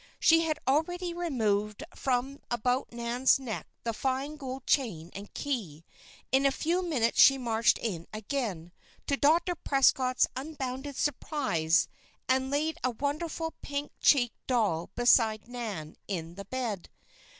She had already removed from about Nan's neck the fine gold chain and key. In a few minutes she marched in again, to Dr. Prescott's unbounded surprise, and laid a wonderful, big, pink cheeked doll beside Nan in the bed.